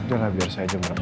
jangan biar saya yang ngajar